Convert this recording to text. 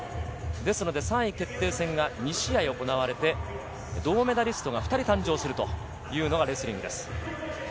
ですので３位決定戦が２試合行われて銅メダリストが２人誕生するというのがレスリングです。